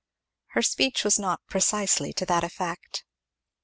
Her speech was not precisely to that effect.